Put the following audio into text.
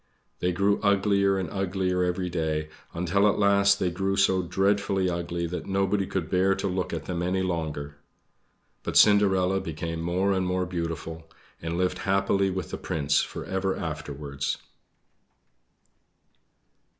They grew uglier and uglier every day, until at last they grew so dreadfully ugly that nobody could bear to look at them any longer. But Cinderella became more and more beautiful, and lived happily with the Prince for ever afterwards.